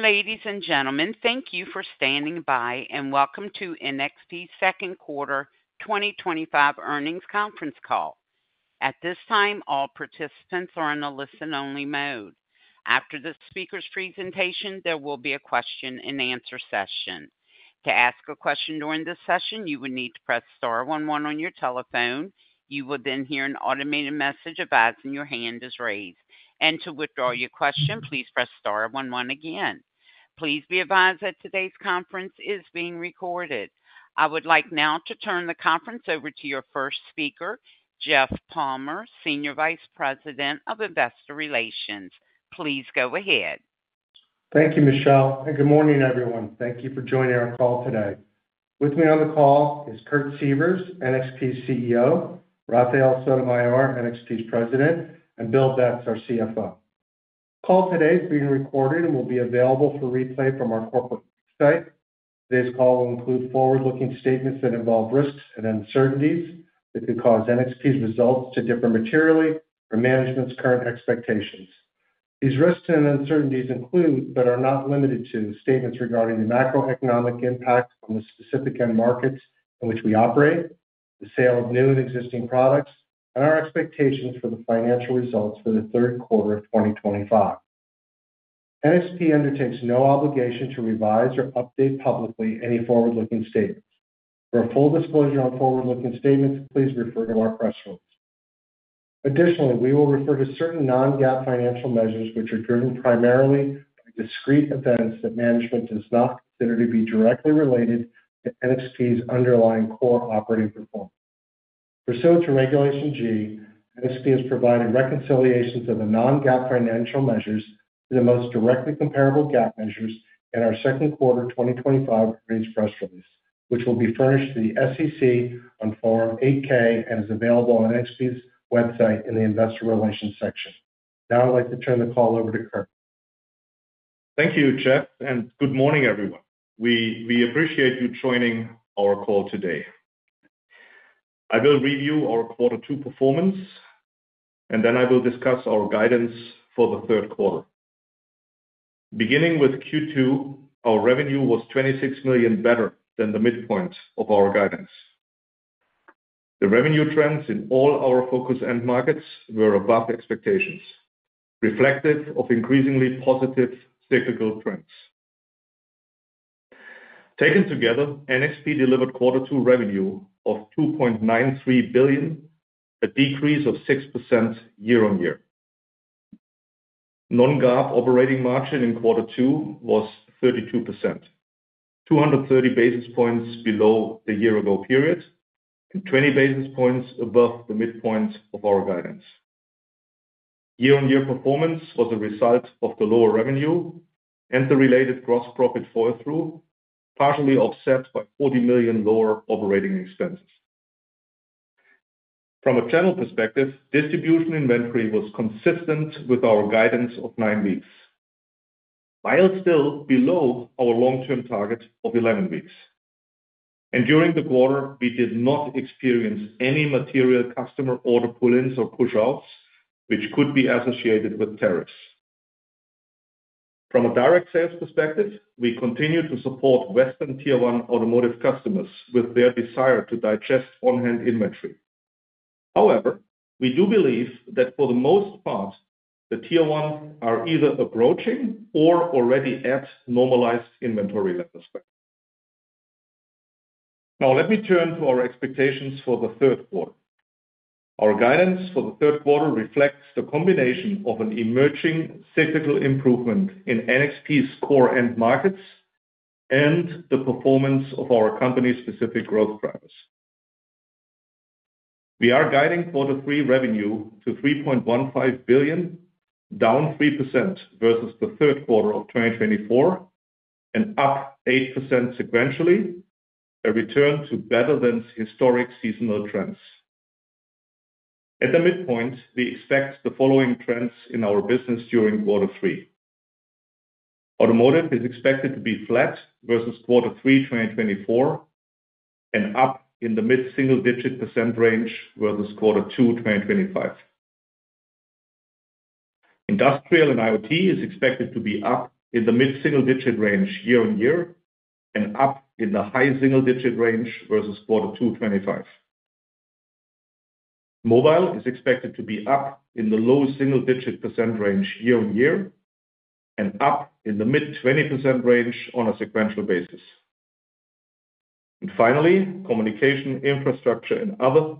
Ladies and gentlemen, thank you for standing by and welcome to NXP's Second Quarter 2025 Earnings Conference Call. At this time, all participants are in a listen-only mode. After the speaker's presentation, there will be a question-and-answer session. To ask a question during this session, you will need to press star one one on your telephone. You will then hear an automated message advising your hand is raised. To withdraw your question, please press star one one again. Please be advised that today's conference is being recorded. I would like now to turn the conference over to your first speaker, Jeff Palmer, Senior Vice President of Investor Relations. Please go ahead. Thank you, Michelle. Good morning, everyone. Thank you for joining our call today. With me on the call is Kurt Sievers, NXP's CEO; Rafael Sotomayor, NXP's President; and Bill Betz, our CFO. The call today is being recorded and will be available for replay from our corporate website. Today's call will include forward-looking statements that involve risks and uncertainties that could cause NXP's results to differ materially from management's current expectations. These risks and uncertainties include, but are not limited to, statements regarding the macroeconomic impact on the specific end markets in which we operate, the sale of new and existing products, and our expectations for the financial results for the third quarter of 2025. NXP undertakes no obligation to revise or update publicly any forward-looking statements. For a full disclosure on forward-looking statements, please refer to our press release. Additionally, we will refer to certain non-GAAP financial measures which are driven primarily by discrete events that management does not consider to be directly related to NXP's underlying core operating performance. Pursuant to Regulation G, NXP has provided reconciliations of the non-GAAP financial measures to the most directly comparable GAAP measures in our Second Quarter 2025 Earnings press release, which will be furnished to the SEC on Form 8-K and is available on NXP's website in the investor relations section. Now, I'd like to turn the call over to Kurt. Thank you, Jeff, and good morning, everyone. We appreciate you joining our call today. I will review our quarter two performance. Then I will discuss our guidance for the third quarter. Beginning with Q2, our revenue was $26 million better than the midpoint of our guidance. The revenue trends in all our focus end markets were above expectations, reflective of increasingly positive cyclical trends. Taken together, NXP delivered quarter two revenue of $2.93 billion, a decrease of 6% year on year. Non-GAAP operating margin in quarter two was 32%, 230 basis points below the year-ago period, and 20 basis points above the midpoint of our guidance. Year on year performance was a result of the lower revenue and the related gross profit fall-through, partially offset by $40 million lower operating expenses. From a channel perspective, distribution inventory was consistent with our guidance of nine weeks, while still below our long-term target of 11 weeks. During the quarter, we did not experience any material customer order pull-ins or push-outs, which could be associated with tariffs. From a direct sales perspective, we continue to support Western Tier 1 automotive customers with their desire to digest on-hand inventory. However, we do believe that for the most part, the Tier 1 are either approaching or already at normalized inventory levels. Now, let me turn to our expectations for the third quarter. Our guidance for the third quarter reflects the combination of an emerging cyclical improvement in NXP's core end markets and the performance of our company-specific growth drivers. We are guiding quarter three revenue to $3.15 billion, down 3% versus the third quarter of 2024, and up 8% sequentially, a return to better-than-historic seasonal trends. At the midpoint, we expect the following trends in our business during quarter three. Automotive is expected to be flat versus quarter three 2024, and up in the mid-single-digit percent range versus quarter two 2025. Industrial and IoT is expected to be up in the mid-single-digit range year on year and up in the high single-digit range versus quarter two 2025. Mobile is expected to be up in the low single-digit % range year-on-year and up in the mid-20% range on a sequential basis. Finally, communication, infrastructure, and other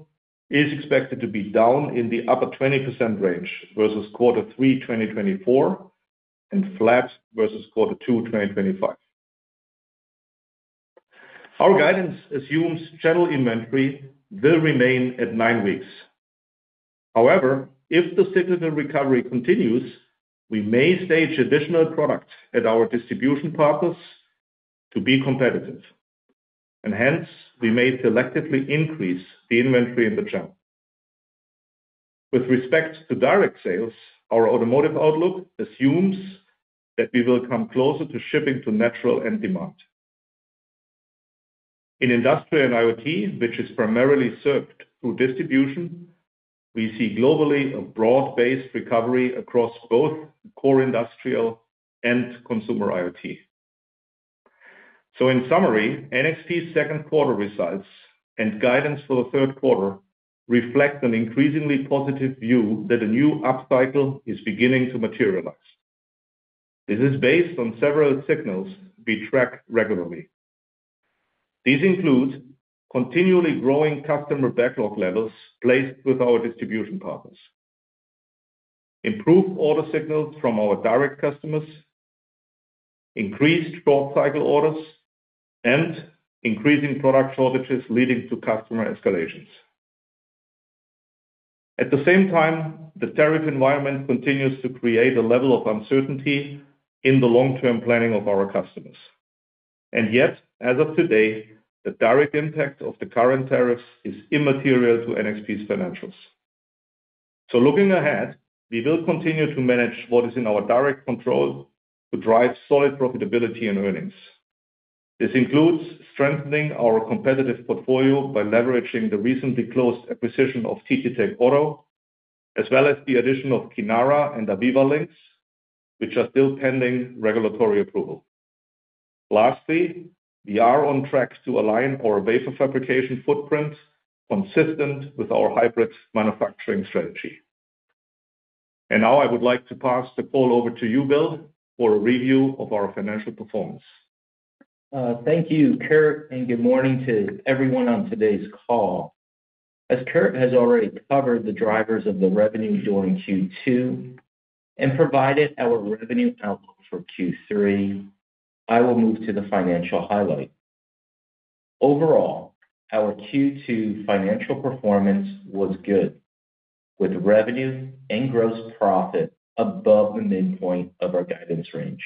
is expected to be down in the upper 20% range versus quarter three 2024, and flat versus quarter two 2025. Our guidance assumes channel inventory will remain at nine weeks. However, if the cyclical recovery continues, we may stage additional products at our distribution partners to be competitive, and hence, we may selectively increase the inventory in the channel. With respect to direct sales, our automotive outlook assumes that we will come closer to shipping to natural end demand. In industrial and IoT, which is primarily served through distribution, we see globally a broad-based recovery across both core industrial and consumer IoT. In summary, NXP's second quarter results and guidance for the third quarter reflect an increasingly positive view that a new up cycle is beginning to materialize. This is based on several signals we track regularly. These include continually growing customer backlog levels placed with our distribution partners, improved order signals from our direct customers, increased short cycle orders, and increasing product shortages leading to customer escalations. At the same time, the tariff environment continues to create a level of uncertainty in the long-term planning of our customers. Yet, as of today, the direct impact of the current tariffs is immaterial to NXP's financials. Looking ahead, we will continue to manage what is in our direct control to drive solid profitability and earnings. This includes strengthening our competitive portfolio by leveraging the recently closed acquisition of TTTech Auto, as well as the addition of Kinara and Aviva Links, which are still pending regulatory approval. Lastly, we are on track to align our wafer fabrication footprint consistent with our hybrid manufacturing strategy. I would like to pass the call over to you, Bill, for a review of our financial performance. Thank you, Kurt, and good morning to everyone on today's call. As Kurt has already covered the drivers of the revenue during Q2 and provided our revenue outlook for Q3, I will move to the financial highlight. Overall, our Q2 financial performance was good, with revenue and gross profit above the midpoint of our guidance range,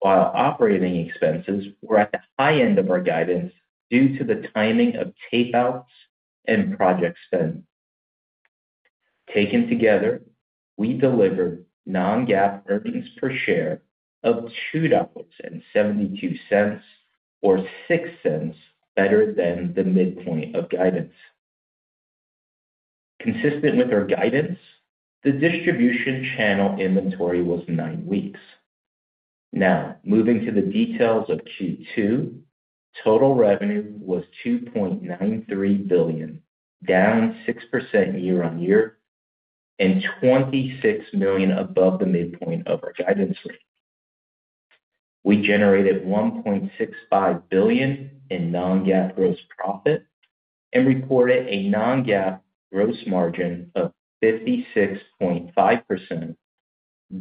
while operating expenses were at the high end of our guidance due to the timing of tape-outs and project spend. Taken together, we delivered non-GAAP earnings per share of $2.72, or $0.06 better than the midpoint of guidance. Consistent with our guidance, the distribution channel inventory was nine weeks. Now, moving to the details of Q2. Total revenue was $2.93 billion, down 6% year on year, and $26 million above the midpoint of our guidance range. We generated $1.65 billion in non-GAAP gross profit and reported a non-GAAP gross margin of 56.5%,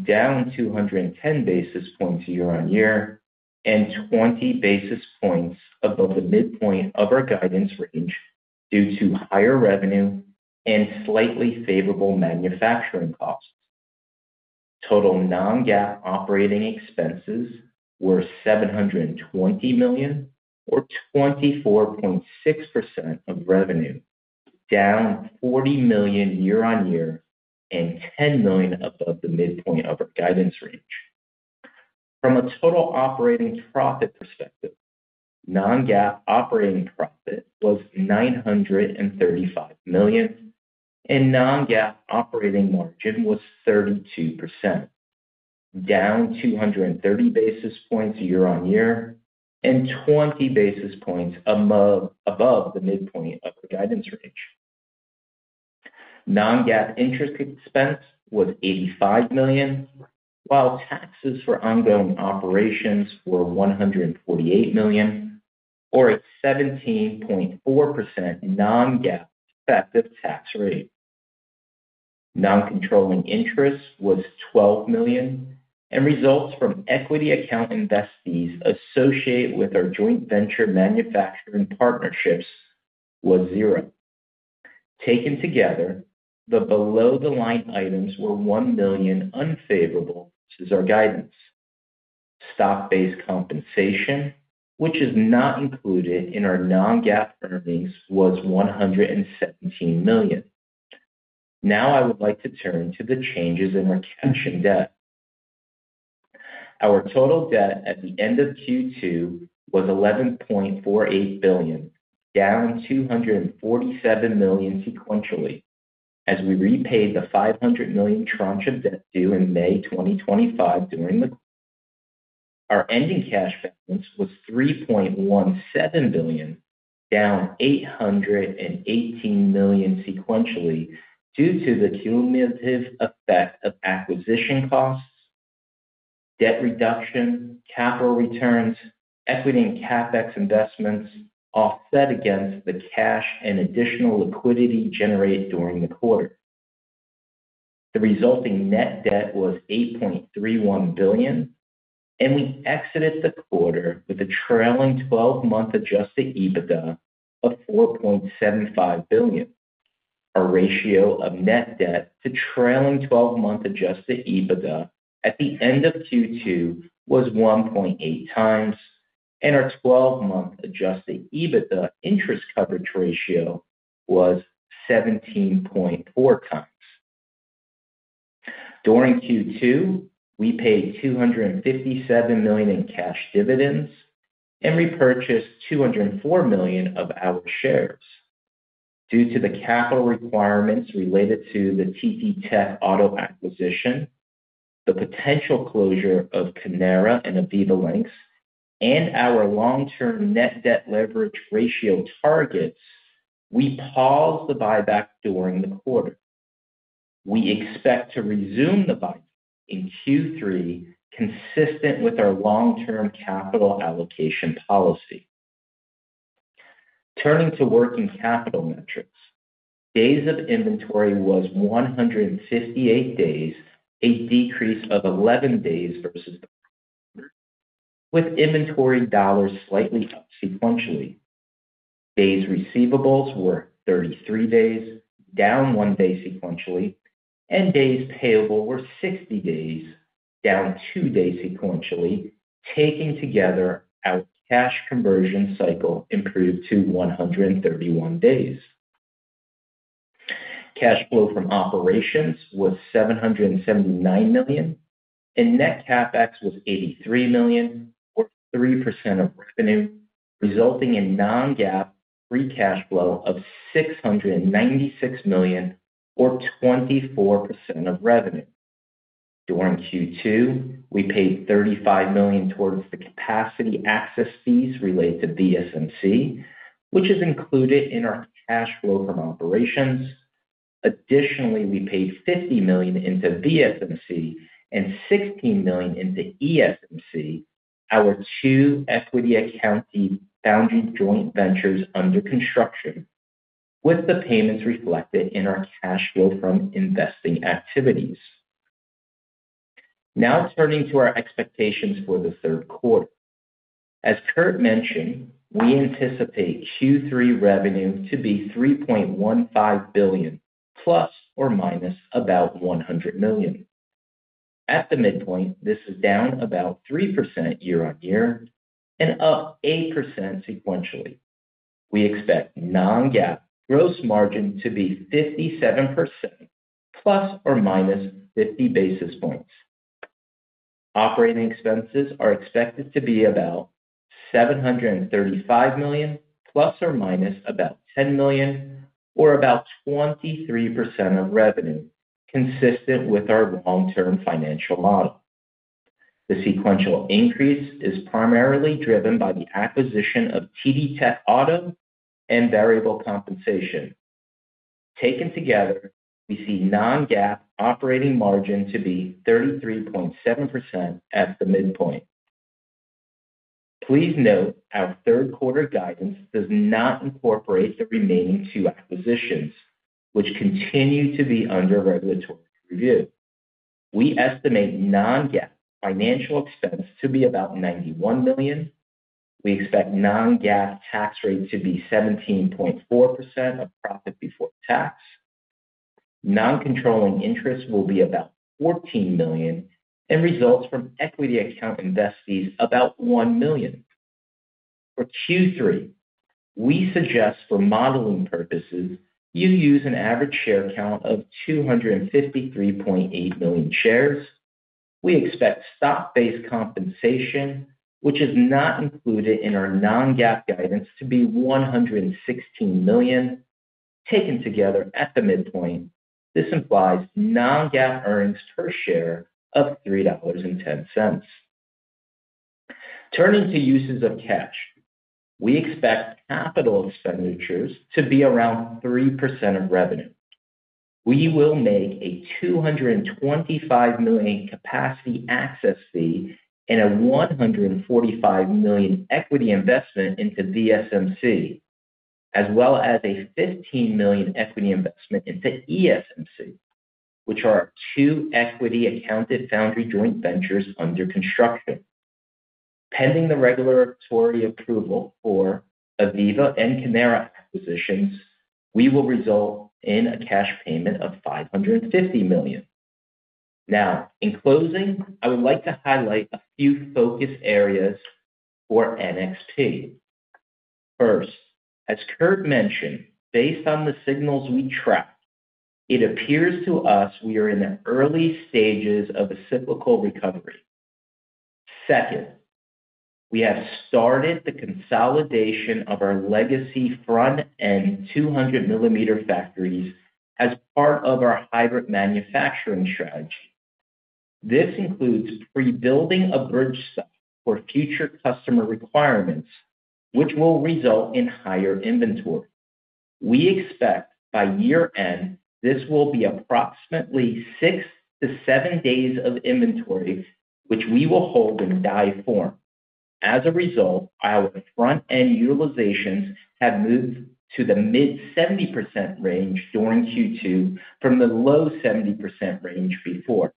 down 210 basis points year on year and 20 basis points above the midpoint of our guidance range due to higher revenue and slightly favorable manufacturing costs. Total non-GAAP operating expenses were $720 million, or 24.6% of revenue, down $40 million year on year and $10 million above the midpoint of our guidance range. From a total operating profit perspective, non-GAAP operating profit was $935 million, and non-GAAP operating margin was 32%, down 230 basis points year on year and 20 basis points above the midpoint of the guidance range. Non-GAAP interest expense was $85 million, while taxes for ongoing operations were $148 million, or a 17.4% non-GAAP effective tax rate. Non-controlling interest was $12 million, and results from equity account investees associated with our joint venture manufacturing partnerships were zero. Taken together, the below-the-line items were $1 million unfavorable versus our guidance. Stock-based compensation, which is not included in our non-GAAP earnings, was $117 million. Now, I would like to turn to the changes in our cash and debt. Our total debt at the end of Q2 was $11.48 billion, down $247 million sequentially, as we repaid the $500 million tranche of debt due in May 2025 during the quarter. Our ending cash balance was $3.17 billion, down $818 million sequentially due to the cumulative effect of acquisition costs, debt reduction, capital returns, equity, and CapEx investments offset against the cash and additional liquidity generated during the quarter. The resulting net debt was $8.31 billion, and we exited the quarter with a trailing 12-month adjusted EBITDA of $4.75 billion. Our ratio of net debt to trailing 12-month adjusted EBITDA at the end of Q2 was 1.8 times, and our 12-month adjusted EBITDA interest coverage ratio was 17.4 times. During Q2, we paid $257 million in cash dividends and repurchased $204 million of our shares. Due to the capital requirements related to the TTTech Auto acquisition, the potential closure of Kinara and Aviva Links, and our long-term net debt leverage ratio targets, we paused the buyback during the quarter. We expect to resume the buyback in Q3 consistent with our long-term capital allocation policy. Turning to working capital metrics, days of inventory was 158 days, a decrease of 11 days versus the prior period. With inventory dollars slightly up sequentially. Days receivables were 33 days, down one day sequentially, and days payable were 60 days, down two days sequentially. Taken together, our cash conversion cycle improved to 131 days. Cash flow from operations was $779 million, and net CapEx was $83 million, or 3% of revenue, resulting in non-GAAP free cash flow of $696 million, or 24% of revenue. During Q2, we paid $35 million towards the capacity access fees related to VSMC, which is included in our cash flow from operations. Additionally, we paid $50 million into VSMC and $16 million into ESMC, our two equity-accounted foundry joint ventures under construction, with the payments reflected in our cash flow from investing activities. Now, turning to our expectations for the third quarter. As Kurt mentioned, we anticipate Q3 revenue to be $3.15 billion, plus or minus about $100 million. At the midpoint, this is down about 3% year on year and up 8% sequentially. We expect non-GAAP gross margin to be 57%, plus or minus ±50 basis points. Operating expenses are expected to be about $735 million, plus or minus about $10 million, or about 23% of revenue, consistent with our long-term financial model. The sequential increase is primarily driven by the acquisition of TTTech Auto and variable compensation. Taken together, we see non-GAAP operating margin to be 33.7% at the midpoint. Please note our third quarter guidance does not incorporate the remaining two acquisitions, which continue to be under regulatory review. We estimate non-GAAP financial expense to be about $91 million. We expect non-GAAP tax rate to be 17.4% of profit before tax. Non-controlling interest will be about $14 million, and results from equity-accounted investees about $1 million. For Q3, we suggest for modeling purposes you use an average share count of 253.8 million shares. We expect stock-based compensation, which is not included in our non-GAAP guidance, to be $116 million. Taken together at the midpoint, this implies non-GAAP earnings per share of $3.10. Turning to uses of cash, we expect capital expenditures to be around 3% of revenue. We will make a $225 million capacity access fee and a $145 million equity investment into VSMC, as well as a $15 million equity investment into ESMC, which are our two equity-accounted foundry joint ventures under construction. Pending the regulatory approval for Aviva and Kinara acquisitions, we will result in a cash payment of $550 million. Now, in closing, I would like to highlight a few focus areas for NXP. First, as Kurt mentioned, based on the signals we tracked, it appears to us we are in the early stages of a cyclical recovery. Second, we have started the consolidation of our legacy front-end 200 mm factories as part of our hybrid manufacturing strategy. This includes pre-building a bridge stock for future customer requirements, which will result in higher inventory. We expect by year-end this will be approximately six to seven days of inventory, which we will hold in die form. As a result, our front-end utilizations have moved to the mid 70% range during Q2 from the low 70% range before.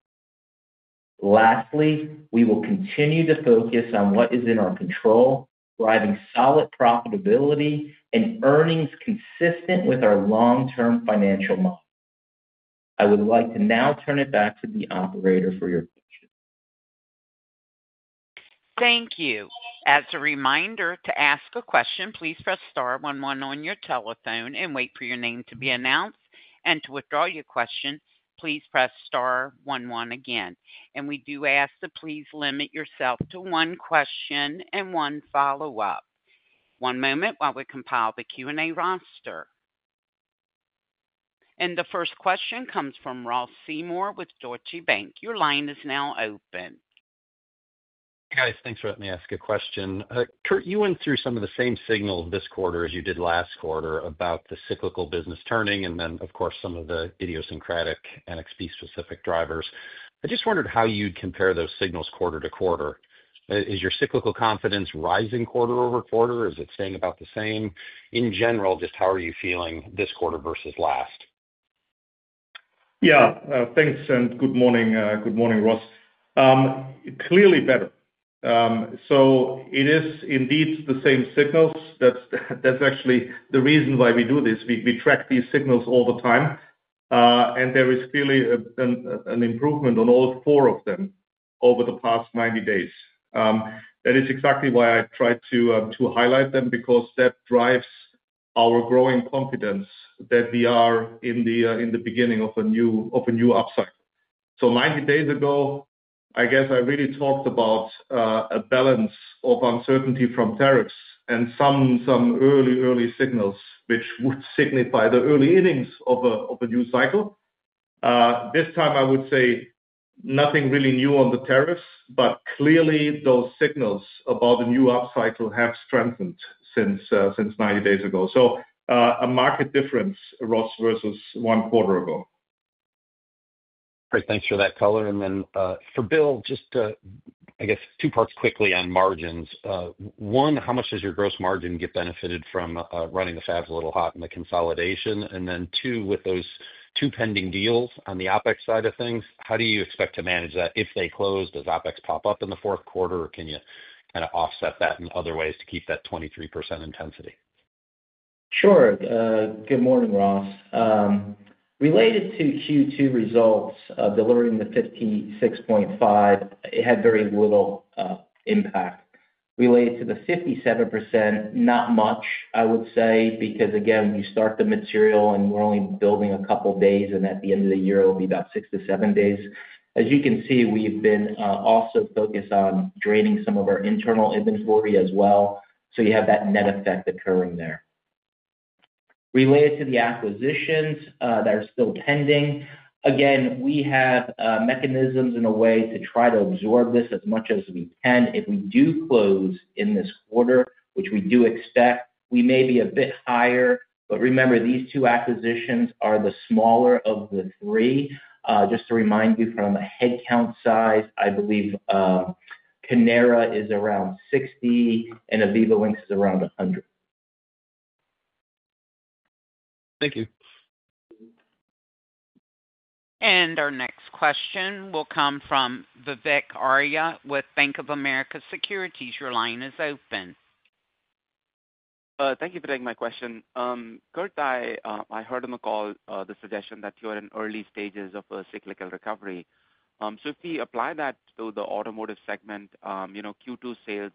Lastly, we will continue to focus on what is in our control, driving solid profitability and earnings consistent with our long-term financial model. I would like to now turn it back to the operator for your questions. Thank you. As a reminder, to ask a question, please press star one one on your telephone and wait for your name to be announced. To withdraw your question, please press star one one again. We do ask that you please limit yourself to one question and one follow-up. One moment while we compile the Q&A roster. The first question comes from Ross Seymore with Deutsche Bank. Your line is now open. Hey guys, thanks for letting me ask a question. Kurt, you went through some of the same signals this quarter as you did last quarter about the cyclical business turning and then, of course, some of the idiosyncratic NXP-specific drivers. I just wondered how you'd compare those signals quarter to quarter. Is your cyclical confidence rising quarter-over-quarter? Is it staying about the same? In general, just how are you feeling this quarter versus last? Yeah, thanks and good morning, good morning Ross. Clearly better. It is indeed the same signals. That is actually the reason why we do this. We track these signals all the time. There is clearly an improvement on all four of them over the past 90 days. That is exactly why I tried to highlight them because that drives our growing confidence that we are in the beginning of a new up cycle. 90 days ago, I guess I really talked about a balance of uncertainty from tariffs and some early, early signals, which would signify the early innings of a new cycle. This time, I would say nothing really new on the tariffs, but clearly those signals about a new up cycle have strengthened since 90 days ago. A market difference, Ross, versus one quarter ago. Great, thanks for that color. Then for Bill, just. I guess two parts quickly on margins. One, how much does your gross margin get benefited from running the fabs a little hot in the consolidation? Then, two, with those two pending deals on the OpEx side of things, how do you expect to manage that if they close? Does OpEx pop up in the fourth quarter, or can you kind of offset that in other ways to keep that 23% intensity? Sure. Good morning, Ross. Related to Q2 results, delivering the 56.5%, it had very little impact. Related to the 57%, not much, I would say, because again, you start the material and we're only building a couple of days, and at the end of the year, it'll be about six to seven days. As you can see, we've been also focused on draining some of our internal inventory as well. You have that net effect occurring there. Related to the acquisitions that are still pending, again, we have mechanisms in a way to try to absorb this as much as we can. If we do close in this quarter, which we do expect, we may be a bit higher. Remember, these two acquisitions are the smaller of the three. Just to remind you from a headcount size, I believe, Kinara is around 60 and Aviva Links is around 100. Thank you. Our next question will come from Vivek Arya with Bank of America Securities. Your line is open. Thank you for taking my question. Kurt, I heard on the call the suggestion that you are in early stages of a cyclical recovery. If we apply that to the automotive segment, Q2 sales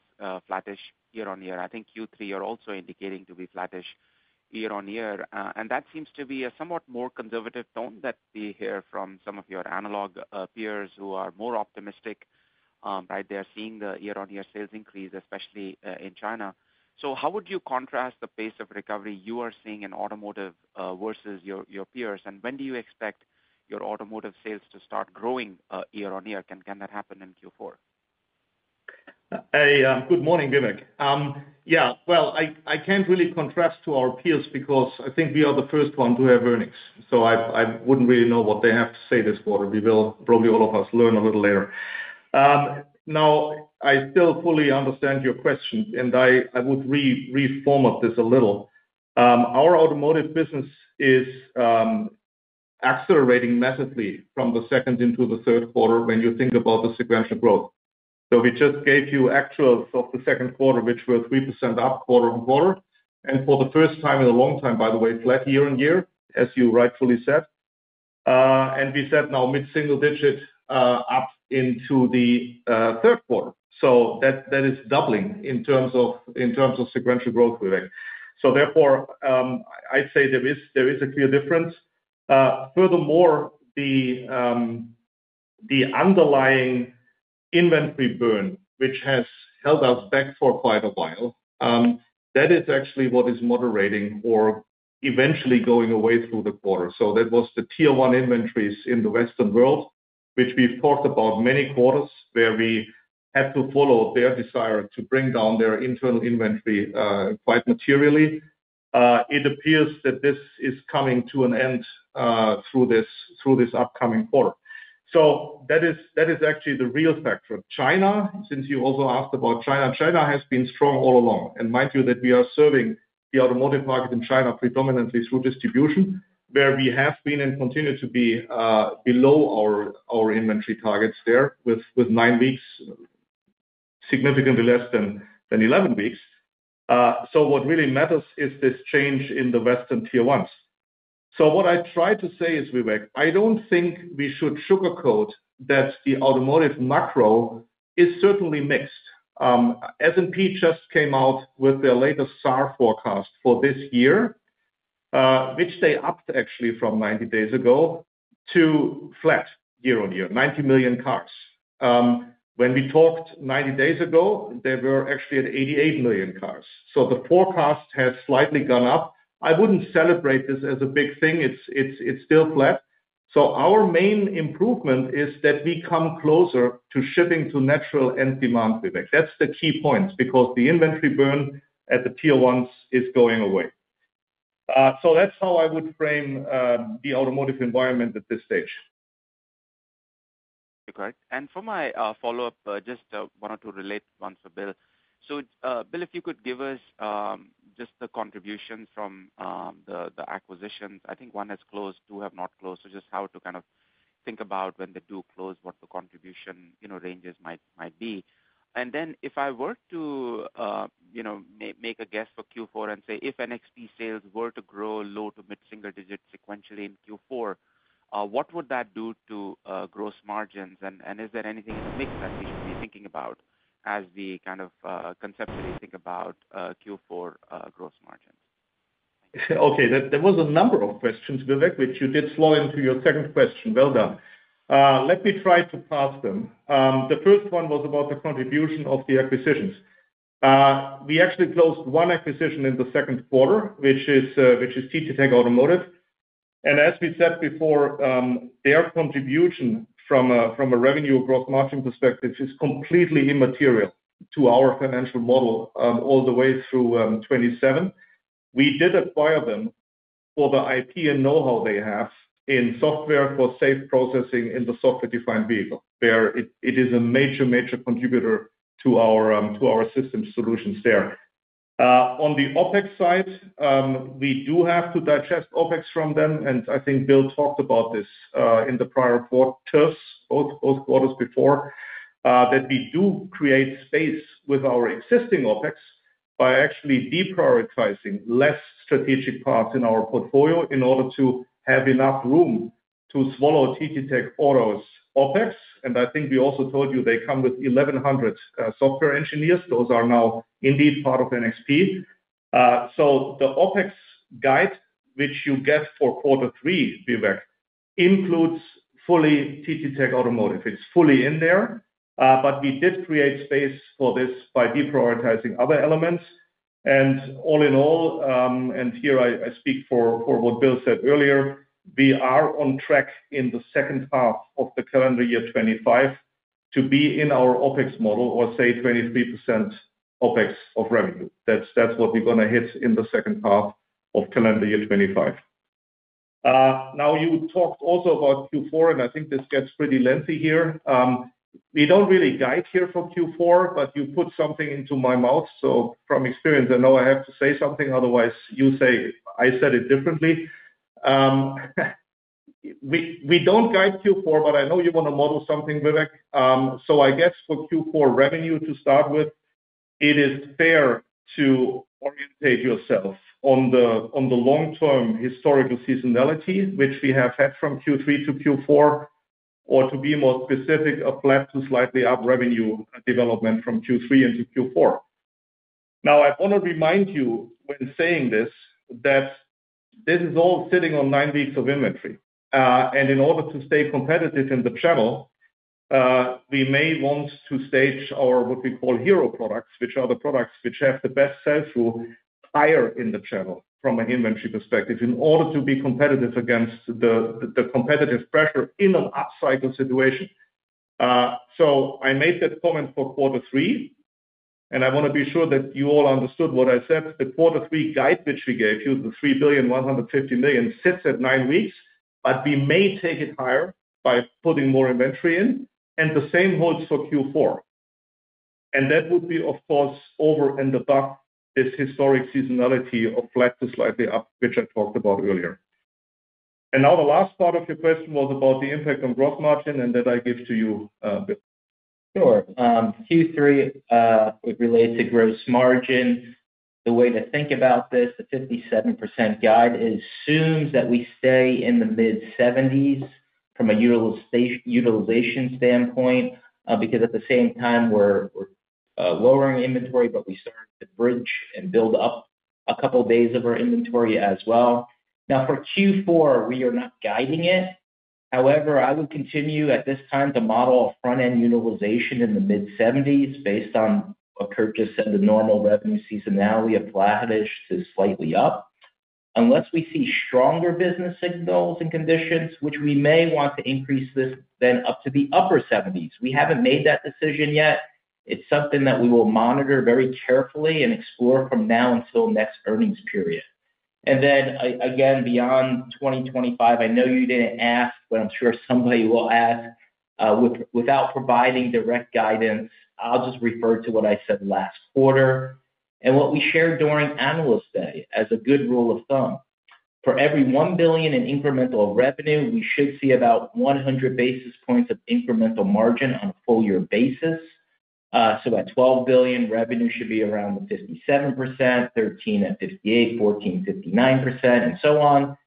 flattish year on year. I think Q3 are also indicating to be flattish year on year. That seems to be a somewhat more conservative tone that we hear from some of your analog peers who are more optimistic. Right? They're seeing the year-on-year sales increase, especially in China. How would you contrast the pace of recovery you are seeing in automotive versus your peers? When do you expect your automotive sales to start growing year on year? Can that happen in Q4? Hey, good morning, Vivek. Yeah, I can't really contrast to our peers because I think we are the first one to have earnings. I wouldn't really know what they have to say this quarter. We will, probably all of us, learn a little later. I still fully understand your question, and I would reformat this a little. Our automotive business is accelerating massively from the second into the third quarter when you think about the sequential growth. We just gave you actuals of the second quarter, which were 3% up quarter on quarter. For the first time in a long time, by the way, flat year on year, as you rightfully said. We said now mid-single digit up into the third quarter. That is doubling in terms of sequential growth, Vivek. Therefore, I'd say there is a clear difference. Furthermore, the underlying inventory burn, which has held us back for quite a while, that is actually what is moderating or eventually going away through the quarter. That was the Tier 1 inventories in the Western world, which we've talked about many quarters where we had to follow their desire to bring down their internal inventory quite materially. It appears that this is coming to an end through this upcoming quarter. That is actually the real factor. China, since you also asked about China, China has been strong all along. Mind you that we are serving the automotive market in China predominantly through distribution, where we have been and continue to be below our inventory targets there with nine weeks, significantly less than 11 weeks. What really matters is this change in the Western Tier 1s. What I try to say is, Vivek, I don't think we should sugarcoat that the automotive macro is certainly mixed. S&P just came out with their latest SAAR forecast for this year, which they upped actually from 90 days ago to flat year on year, 90 million cars. When we talked 90 days ago, they were actually at 88 million cars. The forecast has slightly gone up. I wouldn't celebrate this as a big thing. It's still flat. Our main improvement is that we come closer to shipping to natural end demand, Vivek. That's the key point because the inventory burn at the Tier 1s is going away. That's how I would frame the automotive environment at this stage. Okay. For my follow-up, just wanted to relate one for Bill. Bill, if you could give us just the contributions from the acquisitions. I think one has closed, two have not closed. Just how to kind of think about when they do close, what the contribution ranges might be. If I were to make a guess for Q4 and say, if NXP sales were to grow low to mid-single digit sequentially in Q4, what would that do to gross margins? Is there anything in the mix that we should be thinking about as we kind of conceptually think about Q4 gross margins? Okay. There was a number of questions, Vivek, which you did slow into your second question. Well done. Let me try to pass them. The first one was about the contribution of the acquisitions. We actually closed one acquisition in the second quarter, which is TTTech Auto. And as we said before, their contribution from a revenue gross margin perspective is completely immaterial to our financial model all the way through 2027. We did acquire them for the IP and know-how they have in software for safe processing in the software-defined vehicle, where it is a major, major contributor to our system solutions there. On the OpEx side, we do have to digest OpEx from them. I think Bill talked about this in the prior quarters, both quarters before, that we do create space with our existing OpEx by actually deprioritizing less strategic parts in our portfolio in order to have enough room to swallow TTTech Auto's OpEx. I think we also told you they come with 1,100 software engineers. Those are now indeed part of NXP. The OpEx guide, which you get for quarter three, Vivek, includes fully TTTech Automotive. It's fully in there. We did create space for this by deprioritizing other elements. All in all, and here I speak for what Bill said earlier, we are on track in the second half of the calendar year 2025 to be in our OpEx model or say 23% OpEx of revenue. That's what we're going to hit in the second half of calendar year 2025. You talked also about Q4, and I think this gets pretty lengthy here. We don't really guide here for Q4, but you put something into my mouth. From experience, I know I have to say something. Otherwise, you say I said it differently. We don't guide Q4, but I know you want to model something, Vivek. I guess for Q4 revenue to start with, it is fair to orientate yourself on the long-term historical seasonality, which we have had from Q3 to Q4, or to be more specific, a flat to slightly up revenue development from Q3 into Q4. I want to remind you when saying this that this is all sitting on nine weeks of inventory. In order to stay competitive in the channel, we may want to stage our what we call hero products, which are the products which have the best sales through higher in the channel from an inventory perspective in order to be competitive against the competitive pressure in an up cycle situation. I made that comment for quarter three. I want to be sure that you all understood what I said. The quarter three guide, which we gave you, the $3.15 billion sits at nine weeks, but we may take it higher by putting more inventory in. The same holds for Q4. That would be, of course, over and above this historic seasonality of flat to slightly up, which I talked about earlier. The last part of your question was about the impact on gross margin, and that I give to you, Bill. Sure. Q3. Related to gross margin, the way to think about this, the 57% guide assumes that we stay in the mid-70s from a utilization standpoint because at the same time, we're lowering inventory, but we start to bridge and build up a couple of days of our inventory as well. Now, for Q4, we are not guiding it. However, I would continue at this time to model a front-end utilization in the mid-70s based on what Kurt just said, the normal revenue seasonality of flattish to slightly up. Unless we see stronger business signals and conditions, which we may want to increase this then up to the upper 70s. We haven't made that decision yet. It's something that we will monitor very carefully and explore from now until next earnings period. Again, beyond 2025, I know you didn't ask, but I'm sure somebody will ask. Without providing direct guidance, I'll just refer to what I said last quarter and what we shared during Analyst Day as a good rule of thumb. For every $1 billion in incremental revenue, we should see about 100 basis points of incremental margin on a full year basis. So at $12 billion, revenue should be around the 57%, $13 billion at 58%, $14 billion, 59%, and so on.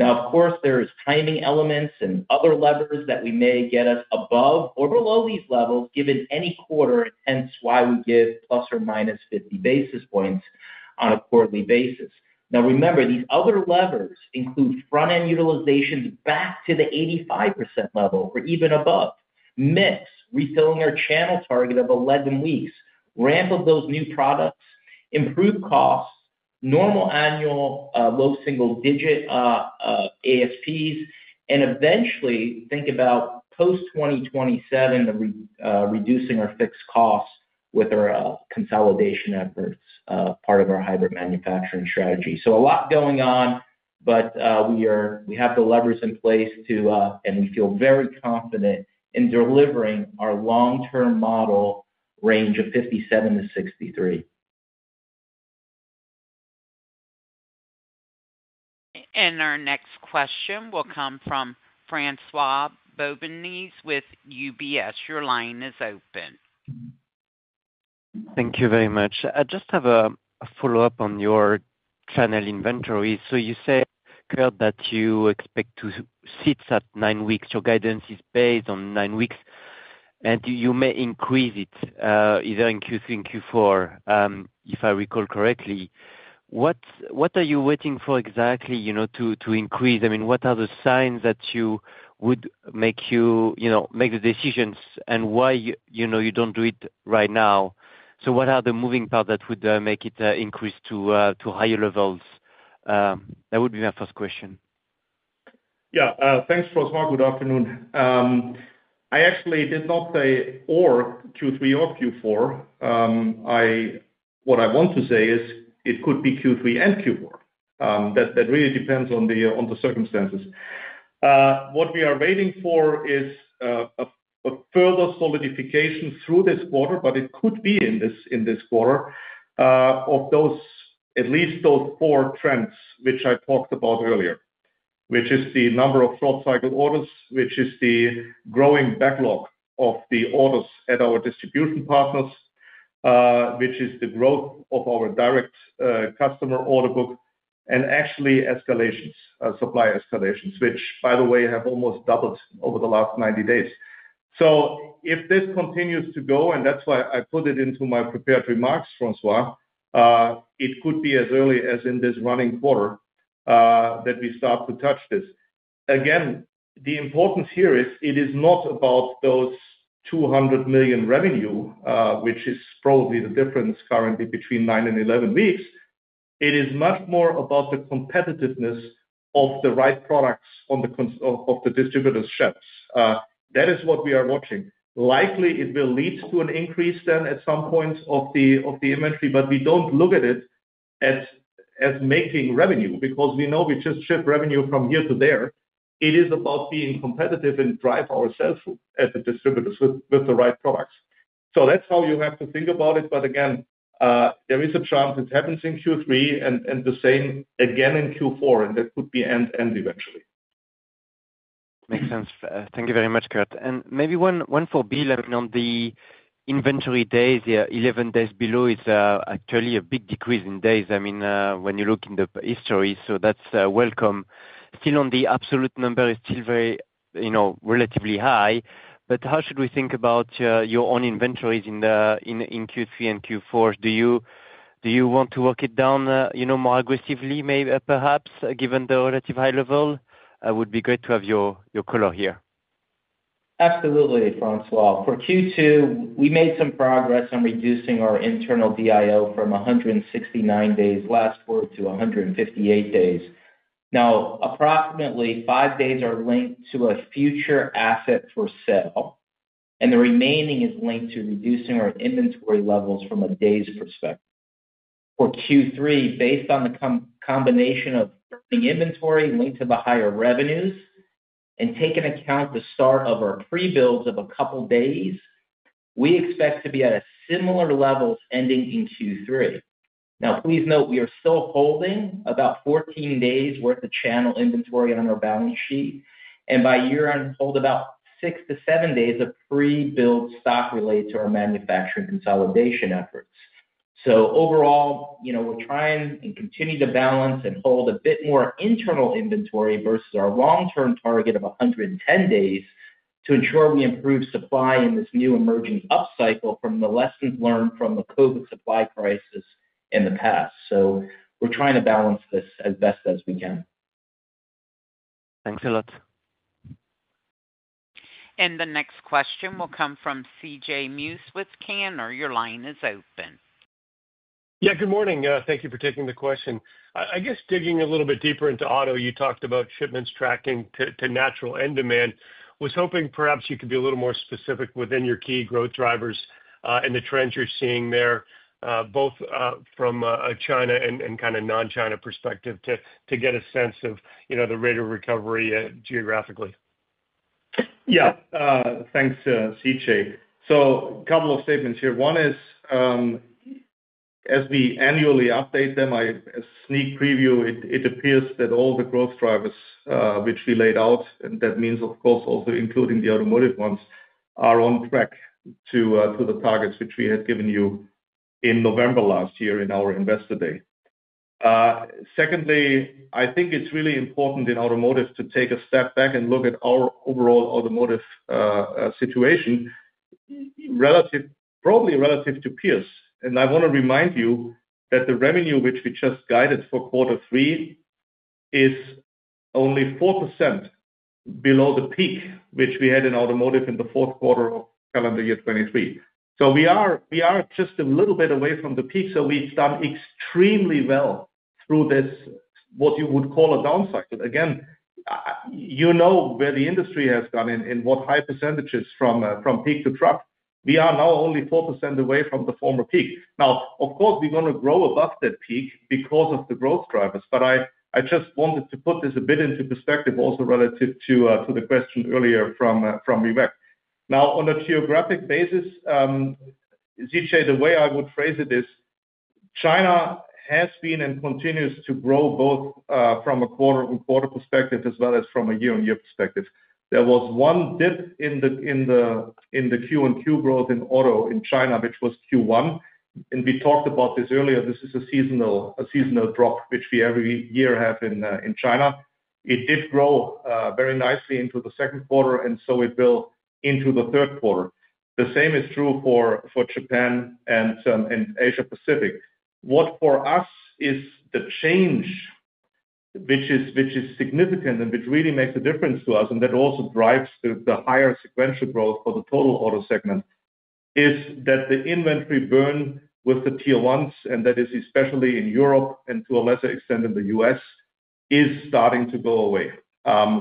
Of course, there are timing elements and other levers that may get us above or below these levels given any quarter, hence why we give ±50 basis points on a quarterly basis. Remember, these other levers include front-end utilizations back to the 85% level or even above, mix refilling our channel target of 11 weeks, ramp up those new products, improve costs, normal annual low single-digit ASPs, and eventually think about post-2027 reducing our fixed costs with our consolidation efforts, part of our hybrid manufacturing strategy. A lot going on, but we have the levers in place, and we feel very confident in delivering our long-term model range of 57%-63%. Our next question will come from François Bouvignies with UBS. Your line is open. Thank you very much. I just have a follow-up on your channel inventory. You said, Kurt, that you expect to sit at nine weeks. Your guidance is based on nine weeks, and you may increase it either in Q3 and Q4, if I recall correctly. What are you waiting for exactly to increase? I mean, what are the signs that would make you make the decisions and why you do not do it right now? What are the moving parts that would make it increase to higher levels? That would be my first question. Yeah. Thanks, François. Good afternoon. I actually did not say or Q3 or Q4. What I want to say is it could be Q3 and Q4. That really depends on the circumstances. What we are waiting for is a further solidification through this quarter, but it could be in this quarter, of at least those four trends, which I talked about earlier, which is the number of short cycle orders, which is the growing backlog of the orders at our distribution partners, which is the growth of our direct customer order book, and actually supply escalations, which, by the way, have almost doubled over the last 90 days. If this continues to go, and that's why I put it into my prepared remarks, François, it could be as early as in this running quarter that we start to touch this. Again, the importance here is it is not about those $200 million revenue, which is probably the difference currently between nine and 11 weeks. It is much more about the competitiveness of the right products on the distributor's shelves. That is what we are watching. Likely, it will lead to an increase then at some point of the inventory, but we do not look at it as making revenue because we know we just ship revenue from here to there. It is about being competitive and drive our sales at the distributors with the right products. That is how you have to think about it. Again, there is a chance it happens in Q3 and the same again in Q4, and that could be end eventually. Makes sense. Thank you very much, Kurt. Maybe one for Bill on the inventory days, 11 days below is actually a big decrease in days. I mean, when you look in the history, so that's welcome. Still, the absolute number is still relatively high. How should we think about your own inventories in Q3 and Q4? Do you want to work it down more aggressively, perhaps, given the relative high level? It would be great to have your color here. Absolutely, François. For Q2, we made some progress on reducing our internal DIO from 169 days last quarter to 158 days. Now, approximately five days are linked to a future asset for sale. The remaining is linked to reducing our inventory levels from a days perspective. For Q3, based on the combination of inventory linked to the higher revenues and taking account the start of our pre-builds of a couple of days, we expect to be at a similar level ending in Q3. Please note, we are still holding about 14 days' worth of channel inventory on our balance sheet. By year-end, hold about six to seven days of pre-build stock related to our manufacturing consolidation efforts. Overall, we're trying and continue to balance and hold a bit more internal inventory versus our long-term target of 110 days to ensure we improve supply in this new emerging up cycle from the lessons learned from the COVID supply crisis in the past. We're trying to balance this as best as we can. Thanks a lot. The next question will come from CJ Muse with Cantor. Your line is open. Yeah, good morning. Thank you for taking the question. I guess digging a little bit deeper into auto, you talked about shipments tracking to natural end demand. I was hoping perhaps you could be a little more specific within your key growth drivers and the trends you're seeing there, both from a China and kind of non-China perspective, to get a sense of the rate of recovery geographically. Yeah. Thanks, CJ. So a couple of statements here. One is, as we annually update them, a sneak preview, it appears that all the growth drivers, which we laid out, and that means, of course, also including the automotive ones, are on track to the targets which we had given you in November last year in our Investor Day. Secondly, I think it's really important in automotive to take a step back and look at our overall automotive situation, probably relative to peers. I want to remind you that the revenue which we just guided for quarter three is only 4% below the peak which we had in automotive in the fourth quarter of calendar year 2023. We are just a little bit away from the peak. We have done extremely well through this, what you would call a down cycle. Again, you know where the industry has gone in what high percentages from peak to trough. We are now only 4% away from the former peak. Now, of course, we are going to grow above that peak because of the growth drivers. I just wanted to put this a bit into perspective also relative to the question earlier from Vivek. Now, on a geographic basis, CJ, the way I would phrase it is, China has been and continues to grow both from a quarter-on-quarter perspective as well as from a year-on-year perspective. There was one dip in the Q-on-Q growth in auto in China, which was Q1. We talked about this earlier. This is a seasonal drop, which we every year have in China. It did grow very nicely into the second quarter, and so it will into the third quarter. The same is true for Japan and Asia-Pacific. What for us is the change, which is significant and which really makes a difference to us, and that also drives the higher sequential growth for the total auto segment, is that the inventory burn with the Tier 1s, and that is especially in Europe and to a lesser extent in the U.S., is starting to go away.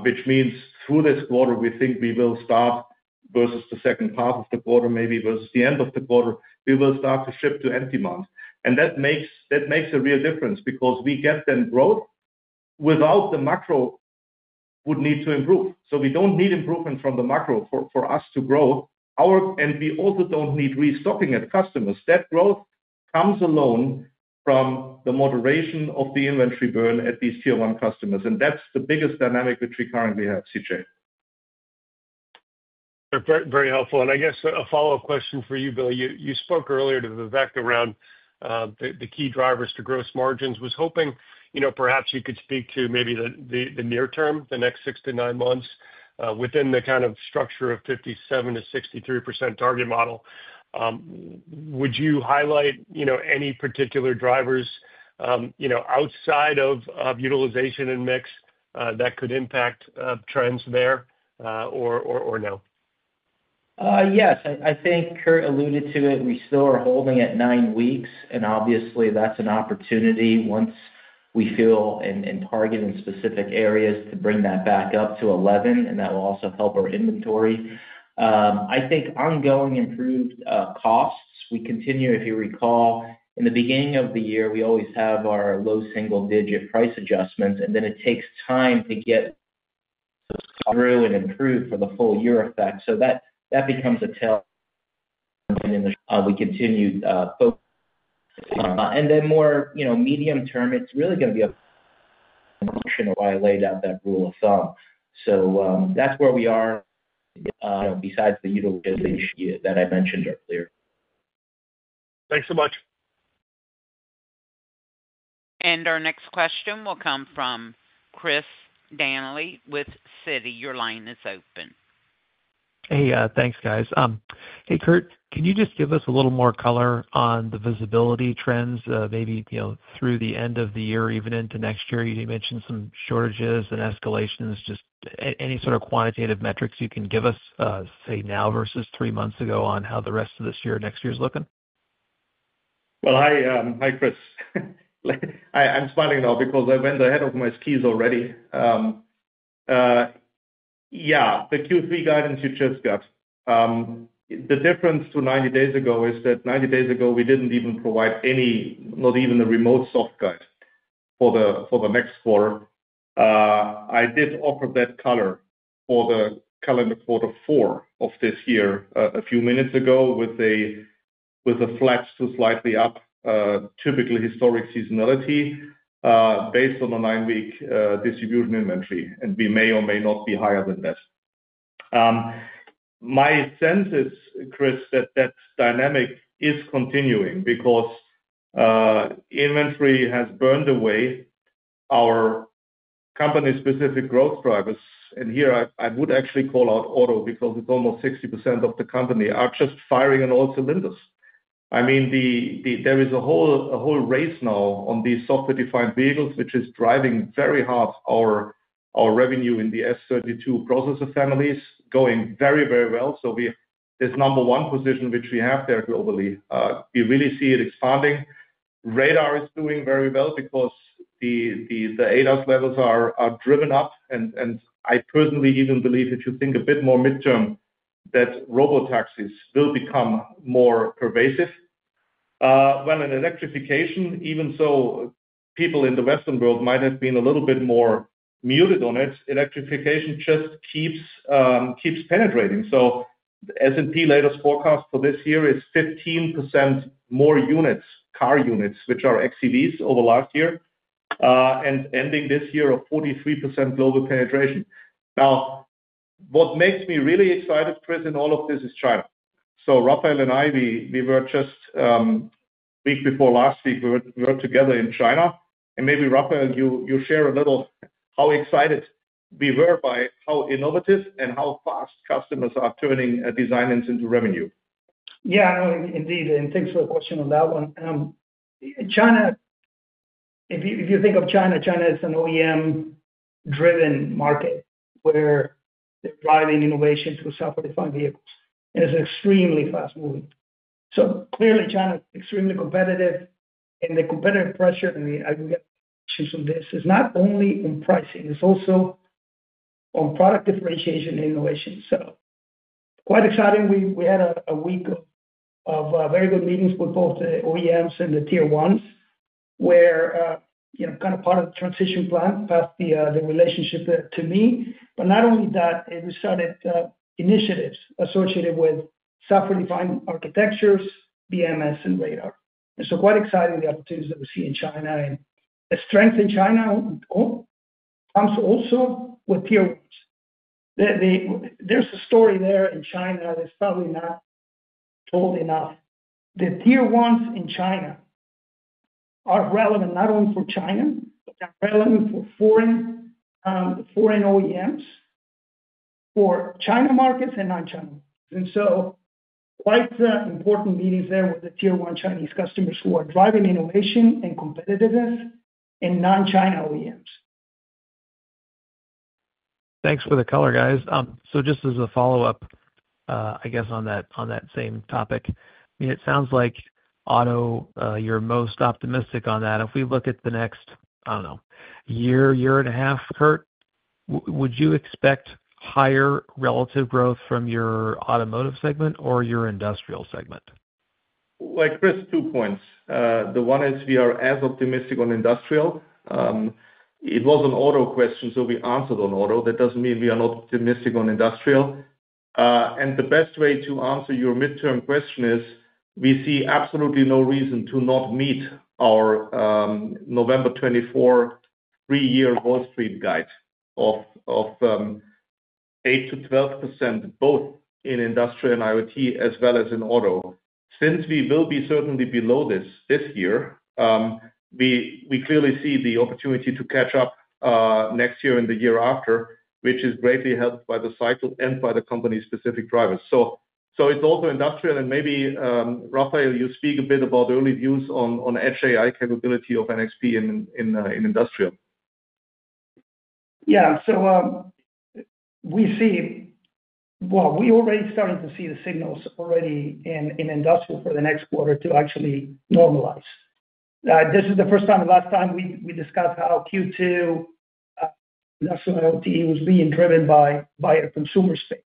Which means through this quarter, we think we will start, versus the second half of the quarter, maybe versus the end of the quarter, we will start to shift to end demand. That makes a real difference because we get then growth without the macro would need to improve. We do not need improvement from the macro for us to grow. We also do not need restocking at customers. That growth comes alone from the moderation of the inventory burn at these Tier 1 customers. That is the biggest dynamic which we currently have, CJ. Very helpful. I guess a follow-up question for you, Bill. You spoke earlier to the fact around the key drivers to gross margins. I was hoping perhaps you could speak to maybe the near term, the next six to nine months, within the kind of structure of 57%-63% target model. Would you highlight any particular drivers outside of utilization and mix that could impact trends there or no? Yes. I think Kurt alluded to it. We still are holding at nine weeks. Obviously, that's an opportunity once we feel and target in specific areas to bring that back up to 11. That will also help our inventory. I think ongoing improved costs. We continue, if you recall, in the beginning of the year, we always have our low single-digit price adjustments. It takes time to get through and improve for the full year effect. That becomes a tailwind in. We continue. More medium term, it's really going to be a motion of why I laid out that rule of thumb. That's where we are, besides the utilization that I mentioned earlier. Thanks so much. Our next question will come from Chris Danely with Citi. Your line is open. Hey, thanks, guys. Hey, Kurt, can you just give us a little more color on the visibility trends, maybe through the end of the year, even into next year? You mentioned some shortages and escalations. Just any sort of quantitative metrics you can give us, say, now versus three months ago on how the rest of this year and next year is looking? Hi, Chris. I'm smiling now because I went ahead of my skis already. The Q3 guidance you just got. The difference to 90 days ago is that 90 days ago, we did not even provide any, not even a remote soft guide for the next quarter. I did offer that color for the calendar quarter four of this year a few minutes ago with a flat to slightly up, typically historic seasonality based on the nine-week distribution inventory. We may or may not be higher than that. My sense is, Chris, that that dynamic is continuing because inventory has burned away. Our company-specific growth drivers, and here, I would actually call out auto because it is almost 60% of the company, are just firing on all cylinders. I mean, there is a whole race now on these software-defined vehicles, which is driving very hard our revenue in the S32 processor families, going very, very well. This number one position, which we have there globally, we really see it expanding. Radar is doing very well because the ADAS levels are driven up. I personally even believe if you think a bit more midterm, that robotaxis will become more pervasive. In electrification, even though people in the Western world might have been a little bit more muted on it, electrification just keeps penetrating. S&P latest forecast for this year is 15% more units, car units, which are xEVs over last year, and ending this year at 43% global penetration. Now, what makes me really excited, Chris, in all of this is China. Rafael and I, we were just a week before last week, we were together in China. Maybe, Rafael, you share a little how excited we were by how innovative and how fast customers are turning designs into revenue. Yeah, indeed. Thanks for the question on that one. China. If you think of China, China is an OEM-driven market where they're driving innovation through software-defined vehicles. It's extremely fast-moving. Clearly, China is extremely competitive. The competitive pressure, and I will get questions on this, is not only on pricing. It's also on product differentiation and innovation. Quite exciting. We had a week of very good meetings with both the OEMs and the Tier 1s where kind of part of the transition plan passed the relationship to me. Not only that, we started initiatives associated with software-defined architectures, BMS, and radar. Quite exciting, the opportunities that we see in China. The strength in China comes also with Tier 1s. There's a story there in China that's probably not told enough. The Tier 1s in China are relevant not only for China, but they're relevant for foreign OEMs, for China markets and non-China markets. Quite important meetings there with the Tier 1 Chinese customers who are driving innovation and competitiveness in non-China OEMs. Thanks for the color, guys. Just as a follow-up, I guess on that same topic, I mean, it sounds like auto, you're most optimistic on that. If we look at the next, I don't know, year, year and a half, Kurt, would you expect higher relative growth from your automotive segment or your industrial segment? Like Chris, two points. One is we are as optimistic on industrial. It was an auto question, so we answered on auto. That does not mean we are not optimistic on industrial. The best way to answer your midterm question is we see absolutely no reason to not meet our November 2024 three-year Wall Street guide of 8%-12% both in industrial and IoT as well as in auto. Since we will be certainly below this this year, we clearly see the opportunity to catch up next year and the year after, which is greatly helped by the cycle and by the company-specific drivers. It is also industrial. Maybe, Rafael, you speak a bit about early views on edge AI capability of NXP in industrial. Yeah. We see. We already started to see the signals already in industrial for the next quarter to actually normalize. This is the first time and last time we discussed how Q2 industrial IoT was being driven by a consumer space.